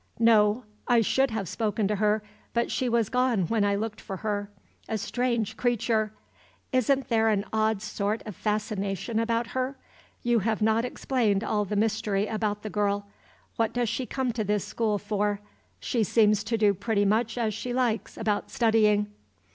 "No. I should have spoken to her, but she was gone when I looked for her. A strange creature! Is n't there an odd sort of fascination about her? You have not explained all the mystery about the girl. What does she come to this school for? She seems to do pretty much as she likes about studying."